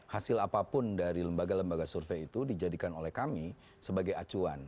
hasil apapun dari lembaga lembaga survei itu dijadikan oleh kami sebagai acuan